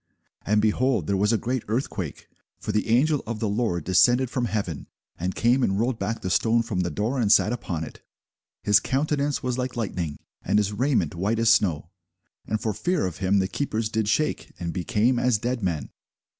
And, behold, there was a great earthquake: for the angel of the Lord descended from heaven, and came and rolled back the stone from the door, and sat upon it. His countenance was like lightning, and his raiment white as snow: and for fear of him the keepers did shake, and became as dead men.